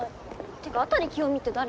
てか辺清美って誰？